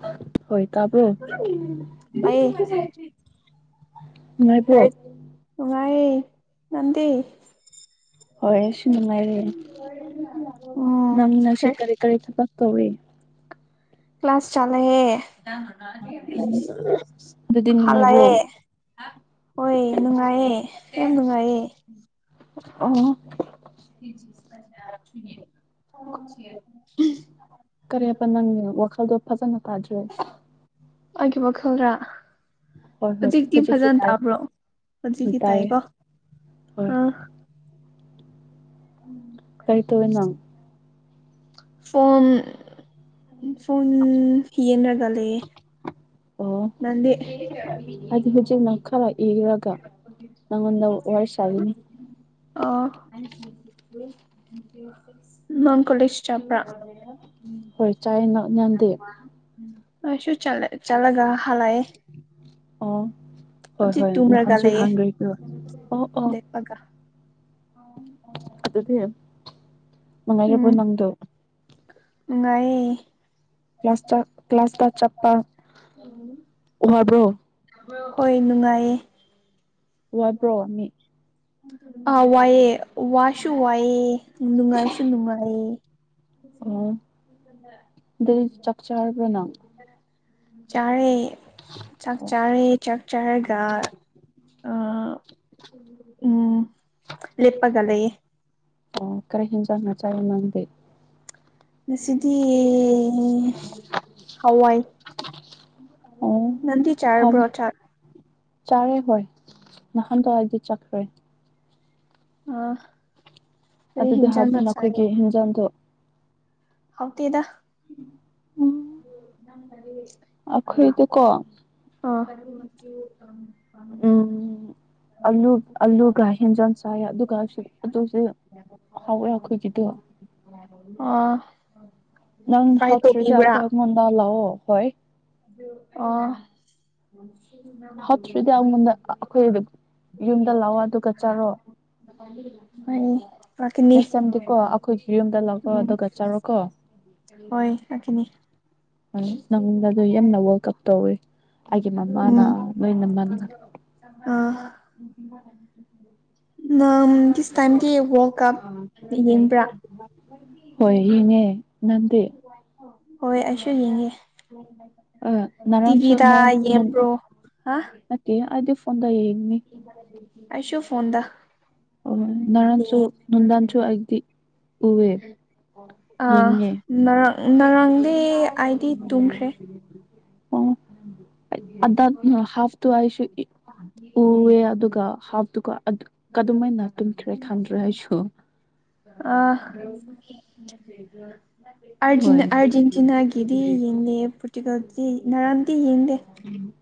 ꯍ ꯍꯣꯏ ꯇꯕ ꯑꯩ ꯅꯨꯡꯉꯥꯏꯌꯦ ꯅꯗꯤ ꯍꯣꯏꯁꯨ ꯅꯨꯡꯉꯥꯏꯔꯦ ꯎꯝ ꯅꯪꯅ ꯁꯤ ꯀꯔꯤ ꯀꯔꯤ ꯊꯕꯛ ꯇꯧꯋꯦ ꯀ꯭ꯂꯥꯁ ꯆꯂꯦꯌꯦ ꯑꯗꯨꯗꯤ [unintelligible] ꯅꯨꯡꯉꯥꯏꯕ꯭ꯔꯣ ꯍꯜꯂꯛꯑꯦ ꯍꯣꯏ ꯅꯨꯡꯉꯥꯏꯌꯦ ꯌꯥꯝ ꯅꯨꯡꯉꯥꯏꯌꯦ ꯑꯥ [inaudible] ꯀꯔꯤꯕ ꯅꯪꯒꯤ ꯋꯥꯈꯜꯗꯣ ꯐꯖꯅ ꯇꯥꯗ꯭ꯔꯦ ꯑꯩꯒꯤ ꯋꯥꯈꯜꯗ ꯍꯣꯏ ꯍꯣꯏ ꯍꯨꯖꯤꯛꯇꯤ ꯐꯖ ꯍꯧꯖꯤꯛꯇꯤ ꯇꯥꯏ ꯇꯥꯕ꯭ꯔꯣ ꯍꯣꯏ ꯍꯨꯖꯤꯛꯇꯤ ꯇꯥꯏꯌꯦ ꯇꯥꯏꯀꯣ ꯍꯣꯏ ꯑꯥ ꯀꯩ ꯇꯧꯋꯦ ꯅꯪ ꯐꯣꯟ ꯐꯣꯟ ꯌꯦꯅ ꯀ ꯂꯩꯌꯦ ꯑꯣ ꯅꯪꯗꯤ ꯑꯗꯨꯗꯤ ꯍꯧꯖꯤꯛ ꯃꯛ ꯈꯔ ꯏꯔꯒ ꯅꯪꯉꯣꯟꯗ ꯋꯥꯔꯤ ꯁꯥꯒꯅꯤ ꯑꯣ ꯅꯪ ꯀꯣꯂꯦꯁ ꯆꯠꯄ꯭ꯔꯥ ꯍꯣꯏ ꯆꯥꯏꯌꯦꯅ ꯅꯪꯗꯤ꯫ ꯑꯩꯁꯨ ꯆꯠꯂꯦ ꯆꯂꯒ ꯍꯂꯛ ꯑꯥ ꯑꯣ ꯍꯣꯏ ꯍꯣꯏ ꯅꯍꯥꯟꯁꯨ ꯂꯩꯌꯦ ꯍꯥꯡꯒꯔꯩꯗꯨ ꯑꯣ ꯑꯣ ꯑ ꯑꯗꯨꯗꯤ ꯅꯨꯉꯥꯏꯔꯕꯣ ꯎꯝ ꯅꯪꯗꯣ ꯅꯨꯡꯉꯥꯏꯌꯦ ꯀꯂꯥꯁꯇ ꯋꯥꯕ꯭ꯔꯣ ꯍꯣꯏ ꯅꯨꯡꯉꯥꯏꯌꯦ ꯋꯥꯕ꯭ꯔꯣꯅꯤ ꯑꯥ ꯋꯥꯏꯑꯦ ꯋꯥꯁꯨ ꯋꯥꯏꯑꯦ ꯅꯨꯡꯉꯥꯏꯁꯨ ꯅꯨꯡꯉꯥꯏꯌꯦ ꯑꯣ ꯗꯨꯗꯤ ꯆꯥꯛ ꯆꯥꯔꯕꯣ ꯅꯪ ꯆꯥꯔꯦ ꯆꯥꯛ ꯑꯣ ꯆꯥꯔꯦ ꯆꯥꯛ ꯆꯥꯔꯒ ꯑ ꯎꯝ ꯂꯦꯞꯄꯒ ꯂꯩꯌꯦ ꯑꯣ ꯀꯔꯤ ꯍꯤꯟꯖꯥꯡꯅꯣ ꯆꯥꯏ ꯅꯪꯗꯤ ꯉꯁꯤꯗꯤ ꯍꯋꯥꯏ ꯑꯣ ꯅꯪꯗꯤ ꯍꯝ ꯆꯥꯔꯕ꯭ꯔꯣ ꯆꯥꯛ ꯆꯥꯔꯦ ꯍꯣꯏ ꯅꯍꯥꯟ ꯇ ꯍꯥꯏꯗꯤ ꯆꯈ꯭ꯔꯦ ꯑ ꯑꯗꯨꯗꯤ ꯍꯥꯏꯕ ꯅꯈꯣꯏꯒꯤ ꯍꯤꯟꯖꯥꯡꯗꯣ ꯍꯥꯎꯇꯦꯗ ꯎꯝ ꯑꯗꯨ ꯅꯃꯅꯦ [inaudible] ꯑꯈꯣꯏꯗꯤꯀꯣ ꯎꯝ ꯑꯂꯨ ꯑꯂꯨꯒ ꯍꯦꯟꯖꯥꯡ ꯆꯥꯏ ꯑꯗꯨꯒ ꯑꯗꯨꯁꯨ ꯍꯥꯎꯋꯦ ꯑꯩꯈꯣꯏꯒꯤꯗꯨ ꯐꯥꯏ ꯇꯧꯕꯤꯕ꯭ꯔꯥ ꯃꯗ ꯂꯑꯣ ꯍꯣꯏ ꯑꯥ ꯍꯥꯞꯇ꯭ꯔꯔꯤꯗꯤ ꯑꯩꯉꯣꯟꯗ ꯑꯩꯈꯣꯏ ꯌꯨꯝꯗ ꯂꯥꯛꯑꯣ ꯑꯗꯨꯒ ꯆꯠꯔꯣ ꯍꯣꯏ ꯂꯥꯛꯀꯅꯤ ꯅ ꯆꯝꯗꯦꯀꯣ ꯑꯩꯈꯣꯏꯒꯤ ꯌꯨꯝꯗ ꯂꯧꯥꯛꯑꯣ ꯑꯗꯨꯒ ꯆꯠꯔꯣꯀꯣ ꯍꯣꯏ ꯌꯥꯈꯅꯤ ꯅꯪꯉꯣꯟꯗ ꯑꯗꯨ ꯌꯥꯝꯅ ꯋꯥꯔꯜ ꯀꯞ ꯇꯧꯋꯤ ꯍꯥꯏꯦ ꯃꯥ ꯃꯥꯅꯥ ꯎꯝ ꯅꯣꯏ ꯅꯃꯅꯒ ꯅ ꯌꯦꯡꯕ꯭ꯔꯥ [inaudible] ꯍꯣꯏ ꯌꯦꯡꯉꯦ ꯉꯗ ꯍꯣꯏ ꯑꯩꯁꯨ ꯌꯦꯡꯉꯦ ꯑ ꯅꯔꯥꯟꯁꯨ ꯇꯤꯕꯤꯤꯗ ꯅꯔꯥꯟ ꯌꯦ꯭ꯔꯣ ꯍꯥ ꯀ ꯗꯏꯌꯦ ꯑꯁꯨ ꯐꯣꯟꯗ ꯑꯣ ꯅꯅꯥꯟꯁꯨ ꯌꯦꯡꯉꯦ ꯅꯨꯡꯟꯗꯥꯟꯁꯨ ꯑꯩꯗꯤ ꯎꯋꯦ ꯑꯥ ꯌꯦꯡꯉꯦ ꯉꯔꯥꯡ ꯉꯔꯥꯡꯗꯤ ꯑꯩꯗꯤ ꯇꯨꯝꯈ꯭ꯔꯦ ꯑꯣ ꯍꯥꯐꯇꯨ ꯑꯩꯁꯨ ꯎꯑꯦ ꯑꯗꯨꯒ ꯍꯥꯐꯇꯨꯒ ꯀꯃꯥꯏꯅ ꯇꯟꯈ꯭ꯔꯦ ꯈꯟꯗ꯭ꯔꯦ ꯑꯩꯁꯨ ꯔ ꯍꯣꯏ ꯑꯔꯖꯦꯟꯇꯤꯅꯥꯒꯤꯦꯗꯤ ꯌꯦꯡꯦ ꯄꯨꯔꯇꯨꯒꯜꯗꯤ ꯅꯔꯥꯟꯗꯤ ꯌꯦꯡꯗꯦ ꯎꯝ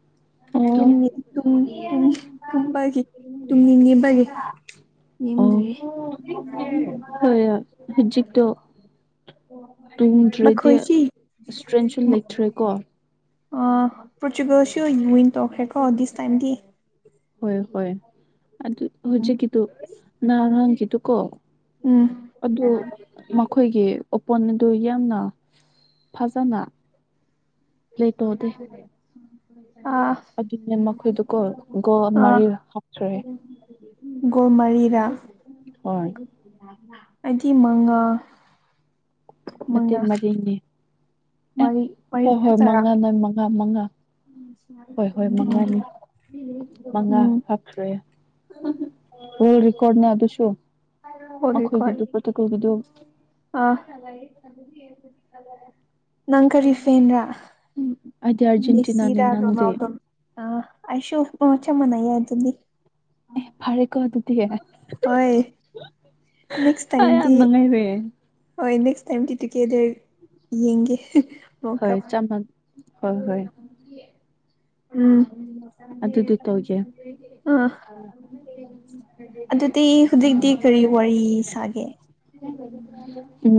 ꯨꯝꯕꯒꯤ ꯇꯨꯡꯅꯤꯡ ꯌꯦꯦꯝꯕꯒꯤ ꯑꯣ ꯌꯦꯦꯝꯗ꯭ꯔꯤꯌꯦ ꯇꯣꯡꯗ꯭ꯔꯦꯗꯤ ꯏꯁꯇ꯭ꯔꯦꯟꯁꯨ ꯂꯩꯇ꯭ꯔꯦꯀꯣ ꯑ ꯄꯣꯔꯇꯨꯒꯜ ꯁꯤ ꯋꯤꯟ ꯇꯣꯛꯈ꯭ꯔꯦꯀꯣ ꯗꯤꯁ ꯇꯥꯏꯝꯗꯤ ꯍꯣꯏ ꯍꯣꯏ ꯑꯗꯨ ꯍꯧꯖꯤꯛꯀꯤꯗꯨ ꯅꯍꯥꯔꯥꯡꯒꯤꯗꯨ ꯀꯣ ꯎꯝ ꯑꯗꯨ ꯃꯈꯣꯏꯒꯤ ꯄꯣꯟ ꯑꯗꯨ ꯌꯥꯝꯅ ꯐꯖꯅ [unintelligible] ꯄ꯭ꯂꯦ ꯇꯧꯗꯦ [unintelligible] ꯑ [unintelligible] ꯑꯗꯨꯅꯦ ꯃꯈꯣꯏꯗꯨꯀꯣ ꯒꯣꯜ ꯑ ꯃꯔꯤ ꯍꯥꯞꯈ꯭ꯔꯦ [unintelligible] ꯒꯣꯃꯔꯤꯗꯥ ꯍꯣꯏ ꯍꯥꯏꯗꯤ ꯃꯉꯥ ꯅꯠꯇꯦ ꯃꯉꯥ ꯃꯔꯤꯅꯤ ꯑꯦ ꯃꯔꯤ ꯃꯔꯤ ꯍꯣꯏ ꯍꯣꯏ ꯈꯛꯇꯔꯥ ꯃꯉꯥ ꯅ ꯃꯉꯥ ꯃꯉꯥ ꯍꯣꯏ ꯍꯣꯏ ꯃꯉꯥꯅꯤ [unintelligible] ꯎꯝ ꯋꯥꯜ ꯔꯦꯀꯣꯔꯗꯅꯦ ꯑꯗꯨꯁꯨ ꯋꯥꯔꯜ ꯔꯦꯀꯣꯔꯠ ꯃꯈꯣꯏꯒꯤꯗꯨ ꯄ‌ꯣꯔꯇꯨꯒꯜꯒꯤꯗꯨ ꯑꯥ [unintelligible] ꯅꯪ ꯀꯔꯤ ꯐꯦꯟ ꯔꯥ ꯑꯩꯗꯤ ꯑꯥꯔꯖꯦꯟꯇꯤꯅꯥꯅꯦ ꯅꯪꯗꯤ ꯑ ꯑꯩꯁꯨꯨ ꯆꯞ ꯃꯥꯟꯅꯩꯌ‌ꯦ ꯑꯗꯨꯗꯤ ꯑꯦ ꯐꯔꯦ ꯀ‌ꯣ ꯑꯗꯨꯗꯤ ꯍꯣꯏ ꯅꯦꯛꯁ [unintelligible] ꯑ ꯌꯥꯝ ꯇꯥꯏꯝꯗꯤ ꯅꯨꯡꯉꯥꯏꯔꯦ ꯍꯣꯏ ꯅꯦꯛꯁ ꯇꯥꯏꯝꯗꯤ ꯇꯨꯒꯦꯗꯔ ꯌꯦꯡꯒꯦ ꯋꯥꯜ ꯍꯣꯏ ꯀꯞ ꯆꯥꯝꯃ ꯍꯣꯏ ꯍꯣꯏ ꯎꯝ ꯑꯗꯨꯗꯤ ꯇꯧꯖꯦ [unintelligible] ꯑꯥ ꯑꯗꯨꯗꯤ ꯍꯧꯖꯤꯛꯇꯤ ꯀꯔꯤ ꯋꯥꯔꯤ ꯁꯥꯒꯦ ꯎꯝ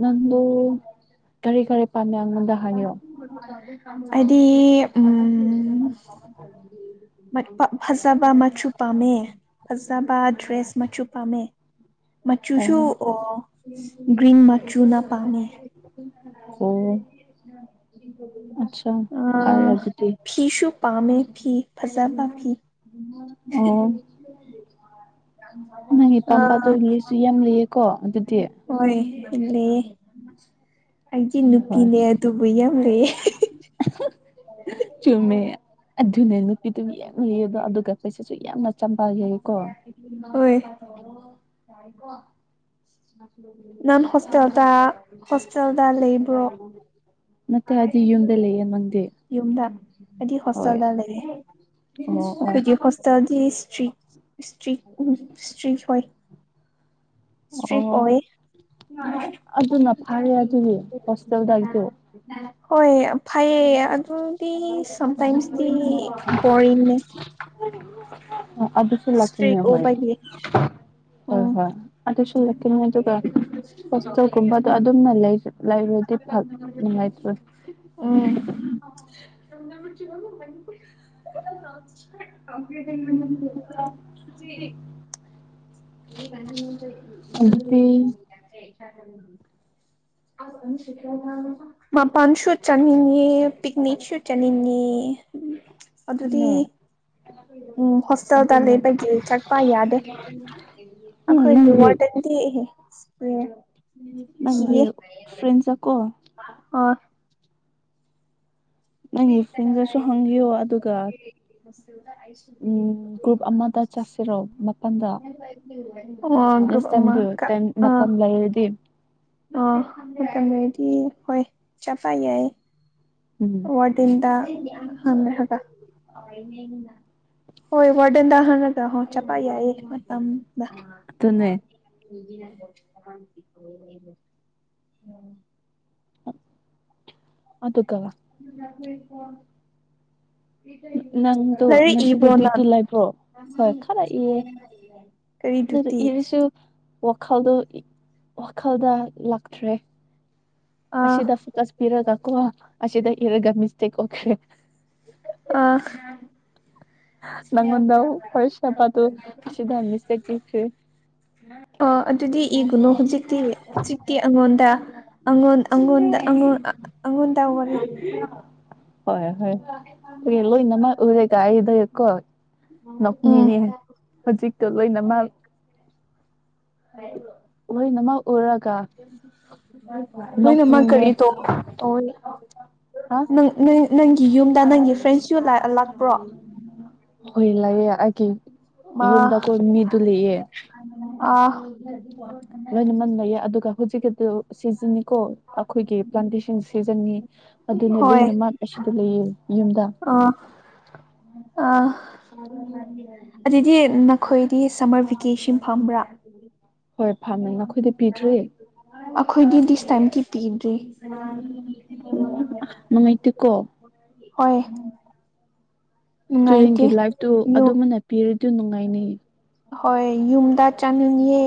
ꯅꯪꯗ‌ꯣ ꯀꯔꯤ ꯀꯔꯤ ꯄꯥꯝꯃꯦ ꯑꯩꯉꯣꯟꯗ ꯍꯥꯏꯌꯣ [unintelligible] ꯑꯩꯗꯤ ꯎꯝ ꯐꯖꯕ ꯃꯆꯨ ꯄꯥꯝꯃꯦ ꯐꯖꯕ ꯗ꯭ꯔꯦꯁ ꯃꯆꯨ ꯄꯥꯝꯃꯦ ꯃꯆꯨꯁꯨ ꯑꯣ ꯒ꯭ꯔꯤꯟ ꯃꯆꯨꯅ ꯄꯥꯝꯃꯦ ꯑꯣ ꯑꯠꯆꯥ ꯑ ꯐꯔꯦ ꯑꯗꯨꯗꯤ ꯐꯤꯁꯨ ꯄꯥꯝꯃꯦ ꯐꯤ ꯐꯖꯥꯕ ꯐꯤ ꯑ‌ꯣ ꯅꯪꯒꯤ ꯑꯥ ꯄꯥꯝꯕꯗ‌ꯣ ꯂꯤꯁꯨ ꯌꯥꯝ ꯂꯩꯌꯦꯀꯣ ꯑꯗꯨꯗꯤ ꯑ [unintelligible] ꯑꯩꯒꯤ ꯍꯣꯏ ꯅꯨꯄꯤꯅꯦ ꯑꯗꯨ [unintelligible] ꯆꯨꯝꯃꯦ ꯑꯗꯨꯅꯦ ꯅꯨꯄꯤꯗꯨ ꯌꯝ ꯂꯩꯌꯦꯕ ꯑꯗꯨꯒ ꯄꯩꯁꯥꯁꯨ ꯌꯥꯝꯅ ꯆꯝꯕꯥꯀ ꯀꯣ ꯅꯥꯟ ꯍꯁꯦꯜ ꯍꯁ ꯂꯩꯕ꯭ꯔꯣ ꯅꯠꯇꯦ ꯍꯥꯏꯗꯤ ꯌꯨꯝꯗ ꯂꯩꯌꯦ ꯅꯪꯗꯤ ꯌꯨꯝꯗ ꯍꯥꯏꯗꯤ ꯍꯣꯏ ꯍꯣꯁꯇꯦꯜꯗ ꯂꯩꯔꯦ ꯑꯣ ꯑꯩꯈꯣꯏꯒꯤ ꯍꯣꯁꯇꯦꯜꯗꯤ ꯏꯁꯇ꯭ꯔꯤꯛ ꯑꯣ ꯏꯁꯇ꯭ꯔꯤꯛ ꯎ ꯏꯁꯇ꯭ꯔꯤ ꯍꯣꯏ ꯏꯁꯇ꯭ꯔꯤ ꯑꯣ ꯑꯣꯏ ꯑꯗꯨꯅ ꯐꯔꯦ ꯑꯗꯨꯗꯤ ꯍꯣꯁꯇꯦꯜꯗꯒꯤꯗꯨ ꯍꯣꯏ ꯐꯩꯌꯦ ꯑꯗꯨꯗꯤ ꯁꯝꯇꯥꯏꯝꯁꯗꯤ ꯕꯣꯔꯡꯅꯦ [inaudible] ꯑꯗꯨꯁꯨ ꯂꯥꯛꯀꯅꯤ ꯍꯣꯏ ꯍꯣꯏ ꯎꯝ ꯍꯣꯏ ꯑꯗꯨꯁꯨ ꯂꯥꯛꯀꯅꯤ ꯑꯗꯨꯒ ꯍꯣꯁꯇꯦꯜꯒꯨꯝꯕꯗꯣ ꯑꯗꯨꯝꯅ ꯂꯩꯔꯗꯤ ꯅꯨꯡꯉꯥꯏꯇ꯭ꯔꯦ ꯁꯅꯕꯨ ꯆꯒ ꯍꯥꯏꯗꯤ [inaudible] ꯀꯄ꯭ꯂ ꯃ [unintelligible] ꯀ ꯏ ꯑꯗꯨꯗꯤ [unintelligible] ꯀꯝ ꯁꯀ ꯊꯃ [inaudible] ꯃꯥꯄꯥꯟ ꯁꯨꯠ ꯆꯅꯤꯡꯅꯤ ꯄꯤꯛꯅꯤꯛ ꯁꯨꯠ ꯆꯅꯤꯡꯅꯤ ꯎꯝ ꯑꯗꯨꯗꯤ ꯑꯗꯨꯅꯦ ꯎ ꯍ ꯜꯇꯥ ꯑꯗꯨꯅꯦ ꯂꯩꯕꯒꯤ ꯆꯠꯄ ꯌꯥꯗꯦ ꯑꯩꯈꯣꯏꯒꯤ ꯅꯪꯒꯤ ꯋꯥꯔꯗꯟꯗꯤꯍ ꯅꯪꯒꯤ ꯀꯤꯌꯦ ꯐ꯭ꯔꯦꯟꯁꯇꯀꯣ ꯑꯣ ꯅꯪꯒꯤ ꯐꯗꯁꯨ ꯍꯪꯒꯤꯌꯣ ꯑꯗꯨꯒ ꯎꯝ ꯒ꯭ꯔꯨꯞ ꯑꯃꯗ ꯆꯥꯁꯤꯔꯣ ꯃꯄꯜꯗ ꯎ ꯑꯣ ꯃꯇꯝ ꯂꯩꯔꯗꯤ ꯑ ꯑꯗꯤ ꯍꯣꯏ ꯆꯄ ꯌꯥꯏ ꯎꯝ ꯋꯥꯔꯗꯦꯟꯗ ꯍꯒ ꯍꯣꯏ ꯋꯥꯔꯗꯦꯟꯗ ꯍꯪꯉꯒ ꯍ ꯆꯄ ꯌꯥꯏꯌꯦ ꯃꯇꯝꯗ [inaudible] ꯑꯗꯨꯅꯦ ꯑ ꯎ ꯀꯦꯀꯣ ꯅꯪꯗꯣ ꯂꯥꯏꯔꯤꯛ ꯉꯁꯤꯗꯣ ꯏꯕꯔꯣ ꯅꯡ ꯗ꯭ꯌꯨꯇꯤ ꯂꯩꯕ꯭ꯔꯣ ꯑꯗꯨꯗ ꯏꯔꯤꯁꯨ ꯋꯥꯈꯜꯗꯣ ꯋꯥꯈꯜꯗ ꯂꯥꯛꯇ꯭ꯔꯦ ꯑꯥ ꯑꯁꯗ ꯐꯣꯀꯁ ꯄꯤꯔꯒ ꯀꯣꯋꯥ ꯑꯁꯤꯗ ꯏꯔꯒ ꯃꯤꯁꯇꯦꯛ ꯑꯣꯈ꯭ꯔꯦ ꯍꯥꯞꯄꯗꯨ ꯑꯁꯤꯗ ꯃꯤꯁꯇꯦꯛ ꯄꯤꯈ꯭ꯔꯦ ꯑꯣ ꯑꯗꯨꯗꯤ ꯏꯒꯅꯨ ꯍꯧꯖꯤꯛꯇꯤ ꯍꯧꯖꯤꯛꯇꯤ ꯑꯩꯉꯣꯟꯗꯉꯣꯟꯗ ꯑꯩꯉꯣꯟꯗ ꯋꯥꯔꯤ ꯍꯣꯏ ꯍꯣꯏ ꯂꯣꯏꯅꯃꯛ ꯎꯔꯒ ꯑꯩꯗꯣ ꯀꯣ ꯎꯝ ꯅꯣꯛꯅꯤꯡꯉꯦ ꯍꯧꯖꯤꯛꯇꯣ ꯂꯣꯏꯅꯃꯛ ꯂꯣꯏꯅꯃꯛ ꯎꯔꯒ ꯂꯣꯏꯅꯃꯛ ꯅꯣꯛꯅꯤꯡꯉꯦ ꯍꯥ ꯀꯔꯤꯇꯧꯒꯅꯤ ꯅꯪꯒꯤ ꯌꯨꯝꯗ ꯅꯪꯒꯤ ꯐ꯭ꯔꯦꯟꯁꯨ ꯂꯥꯛꯄ꯭ꯔꯣ ꯃꯥ ꯌꯨꯝꯗ ꯈꯣꯏ ꯃꯤꯗꯨ ꯂꯩꯌꯦ ꯑꯥ ꯂꯣꯏꯅꯃꯛ ꯂꯩꯌꯦ ꯑꯗꯨꯒ ꯍꯧꯖꯤꯛꯀꯤ ꯑꯗꯨ ꯁꯤꯖꯤꯟꯅꯤꯀꯣ ꯑꯩꯈꯣꯏꯒꯤ ꯄ꯭ꯂꯥꯟꯇꯦꯁꯟ ꯁꯤꯖꯟꯅꯤ ꯑꯗꯨꯅ ꯍꯣꯏ ꯂꯣꯏꯅꯃꯛ ꯑꯁꯤꯗ ꯂꯩꯌꯦ ꯌꯨꯝꯗ ꯑꯥ ꯑꯥ [inaudible] ꯑꯗꯨꯗꯤ ꯅꯈꯣꯏ ꯀꯤ ꯁꯝꯃꯔ ꯚꯦꯀꯦꯁꯟ ꯐꯪꯕ꯭ꯔꯥ ꯍꯣꯏ ꯐꯥꯝꯅ ꯑꯩꯈꯣꯏꯗ ꯄꯤꯗ꯭ꯔꯦ ꯑꯩꯈꯣꯏꯗꯤ ꯗꯤꯁ ꯇꯥꯏꯝꯇꯤ ꯄꯤꯗ꯭ꯔꯤ ꯎꯝ ꯅꯨꯡꯉꯥꯏꯇꯦꯀꯣ ꯍꯣꯏ ꯅꯨꯡꯉꯥꯏꯇꯦ ꯏꯁꯇꯨꯗꯦꯟꯒꯤ ꯂꯥꯏꯐꯇꯨ ꯌꯨꯝ ꯑꯗꯨꯃꯅ ꯄꯤꯔꯤ ꯗꯨ ꯅꯨꯡꯉꯥꯏꯅꯤ ꯍꯣꯏ ꯌꯨꯝꯗ ꯆꯠꯅꯤꯡꯉꯦ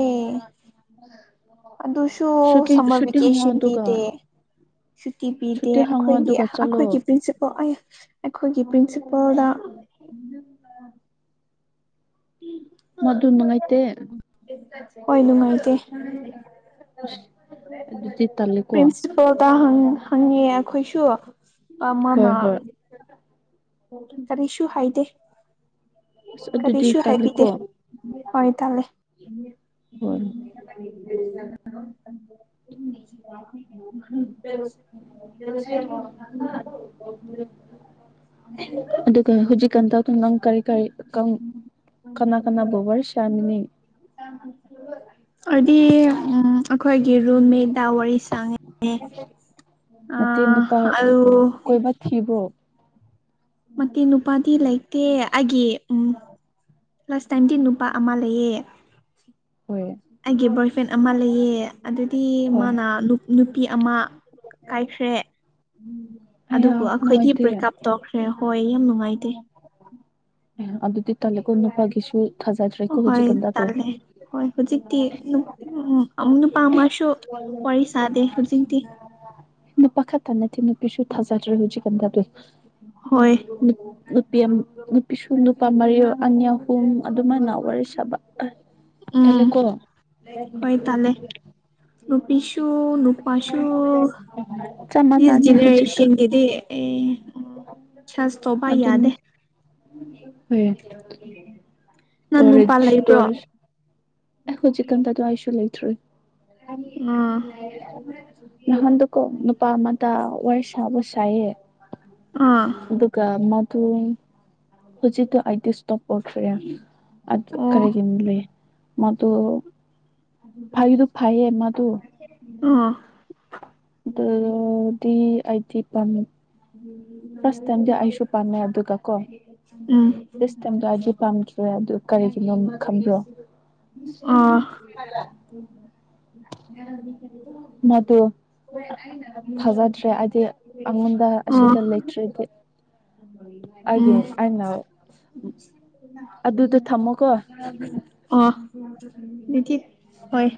[inaudible] ꯑꯗꯨꯁꯨ ꯁꯨꯇꯤ ꯁꯝꯃꯔ ꯁꯨꯇꯤ ꯍꯪꯉꯣ ꯚꯦꯀꯦꯁꯟ ꯑꯗꯨꯒ ꯄꯤꯗꯦ ꯁꯨꯇꯤ ꯄꯤꯗꯦ ꯁꯨꯇꯤ ꯍꯪꯉꯣ ꯑꯩꯈꯣꯏꯒꯤ ꯑꯗꯨꯒ ꯆꯠꯂꯣ ꯑꯩꯈꯣꯏꯒꯤ ꯄ꯭ꯔꯤꯟꯁꯤꯜ ꯑꯩꯈꯣꯏꯒꯤ ꯄꯔ꯭ꯤꯟꯁꯤꯄꯥꯜ ꯍꯗꯥ ꯃꯗꯨ ꯅꯨꯡꯉꯥꯏꯇꯦ ꯍꯣꯏ ꯅꯨꯡꯉꯥꯏ ꯇꯦ ꯑꯗꯨꯗꯤ ꯇꯜꯂꯦꯀꯣ ꯄ꯭ꯔꯤꯟꯁꯤꯄꯜꯗ ꯍꯪꯉꯦ ꯑꯩꯈꯣꯏꯁꯨ ꯑ ꯃꯅꯥ ꯍꯣꯏ ꯍꯣꯏ ꯀꯔꯤꯁꯨ ꯍꯥꯏꯗꯦ ꯑꯁ ꯑꯗꯨꯗꯤ ꯀꯔꯤꯁꯨ ꯇꯜꯂꯦꯀꯣ ꯍꯥꯏꯕꯤꯗꯦ ꯍꯣꯏ ꯇꯜꯂꯦ ꯍꯣꯏ [inaudible] [inaudible] [unintelligible] ꯑꯗꯨꯒ ꯍꯧꯖꯤꯛꯀꯥꯟꯗ ꯅꯪ ꯀꯔꯤ ꯀꯔꯤ ꯀꯅꯥ ꯀꯅꯥ ꯋꯔꯤ ꯁꯥꯃꯤꯟꯅꯩ ꯁꯤ ꯑꯩꯈꯣꯏꯒꯤ ꯔꯨꯝꯃꯦꯠꯗ ꯋꯥꯔꯤ ꯁꯥꯡꯉꯦ ꯑ ꯅꯠꯇꯦ ꯅꯨꯄꯥ ꯑꯂꯨ ꯀꯣꯏꯕ ꯊꯤꯕ꯭ꯔꯣ ꯃꯇꯤ ꯅꯨꯄꯥꯗꯤ‌ ꯂꯩ ꯀ ꯑꯒꯤ ꯎꯝ ꯂꯥꯁ ꯇꯥꯏꯝꯗꯤ ꯅꯨꯄꯥ ꯑꯃ ꯂꯩꯌꯦ ꯍꯣꯏ ꯑꯩꯒꯤ ꯕꯣꯏ ꯐ꯭ꯔꯦꯟ ꯑꯃ ꯂꯩꯌꯦ ꯑꯗꯨꯗꯤ ꯍꯣꯏ ꯃꯥꯅ ꯅꯨꯄꯤ ꯑꯃ ꯀꯥꯏꯈ꯭ꯔꯦ ꯑꯗꯨꯕꯨ ꯑꯩꯌꯥ ꯑꯩꯈꯣꯏꯒꯤ ꯅꯨꯡꯉꯥꯏꯇꯦ ꯕ꯭ꯔꯦꯛꯀꯞ ꯇꯧꯈ꯭ꯔꯦꯣ ꯍꯣꯏ ꯌꯥꯝ ꯅꯨꯡꯉꯥꯏꯇꯦ ꯑꯗꯨꯗꯤ ꯇꯂ ꯀꯣꯟ ꯅꯨꯄꯥꯒꯤꯁꯨ ꯊꯖꯥꯖ꯭ꯔꯦꯀꯣ [inaudible] ꯎ ꯅꯨꯄꯥ ꯑꯃꯁꯁꯨ ꯋꯥꯔꯤ ꯁꯥꯗꯦ ꯍꯧꯖꯤꯛꯇꯤ ꯅꯨꯄꯥ ꯈ ꯇꯅ [unintelligible] ꯍꯣꯏ ꯅꯨꯄꯤ ꯏꯁꯁꯨ ꯅꯨꯄꯥ ꯃꯔꯤ ꯑꯅꯤ ꯑꯍꯨꯝ ꯑꯗꯨꯃꯥꯏꯅ ꯋꯥꯔꯤ ꯁꯥꯕ ꯇꯜꯂꯦ ꯎꯝ ꯀꯣ [inaudible] ꯁꯁꯨ ꯅꯨꯄꯥꯁꯨ ꯆꯞ ꯁ ꯃꯥꯟꯅꯅꯦ ꯍꯧꯖꯤꯛꯇꯣ ꯖꯦꯅꯦꯔꯦꯁꯟꯒꯤꯗꯤ ꯑꯦ ꯁꯇꯣꯕꯥ ꯌꯥꯗꯦ ꯑꯗꯨꯅꯦ ꯍꯣꯏ ꯅꯪ ꯅꯨꯄꯥ ꯂꯩꯕ꯭ꯔꯣ ꯑꯩꯈꯣꯏ ꯆꯀꯟꯗ ꯑꯗꯨ [inaudible] ꯂꯩꯇ꯭ꯔꯣꯏ ꯑꯥ ꯅꯍꯥꯟꯗꯨꯀꯣ ꯅꯨꯄꯥ ꯑꯃꯗ ꯋꯥꯔꯤꯁꯕꯨ ꯁꯥꯏꯌꯦ ꯑꯥ ꯑꯗꯨꯒ ꯃ ꯇ ꯍꯧꯖꯤꯛꯇꯣ ꯑꯩꯗꯤ ꯏꯁꯇꯣꯞ ꯑꯣꯏꯈ꯭ꯔꯦ ꯑꯣ ꯀꯔꯤꯒꯤꯅ ꯂꯩ ꯃꯗꯨ ꯐꯩꯗꯨ ꯐꯩꯌꯦ ꯃꯥꯗꯨ ꯑ ꯑꯗꯨꯗꯤ ꯑꯩꯗꯤꯄꯥꯝ ꯐꯥꯔꯁ ꯇꯥꯏꯝꯗꯤ ꯑꯩꯁꯨ ꯄꯥꯝꯃꯦ ꯑꯗꯨꯒ ꯎꯝ ꯀꯣꯁ ꯇꯥꯏꯗꯣ ꯑꯩꯗꯤ ꯄꯥꯝꯗ꯭ꯔꯦ ꯑꯗꯨ ꯀꯔꯤꯒꯤꯅꯣꯝ ꯑꯥ ꯈꯪꯕꯤꯔꯣ ꯏꯁ ꯑꯣ ꯎꯝ ꯃꯗꯨ ꯐꯖꯗ꯭ꯔꯦ ꯍꯥꯏꯗꯤ ꯑꯩꯉꯣꯟꯗ ꯑꯁꯤꯗ ꯂꯩꯇ꯭ꯔꯥꯗꯤ ꯎꯝ ꯑꯩꯒꯤ ꯑꯩꯅ ꯑꯗꯨꯗꯣ ꯊꯝꯃꯣꯀꯣ ꯅ ꯍꯣꯏ